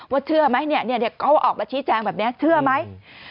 เชื่อไหมเขาออกมาชี้แจงแบบนี้เชื่อไหม